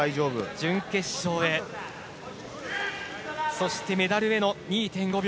準決勝へそしてメダルへの２．５秒。